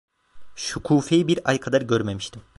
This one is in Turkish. Şükufe'yi bir ay kadar görmemiştim.